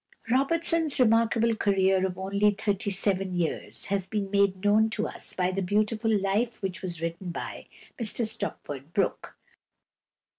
Robertson's remarkable career of only thirty seven years has been made known to us by the beautiful life which was written by Mr Stopford Brooke.